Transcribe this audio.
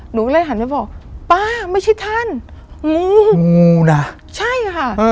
หนูก็เลยหันไปบอกป้าไม่ใช่ท่านงูงูนะใช่ค่ะ